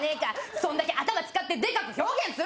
それだけ頭使ってでかく表現するのは！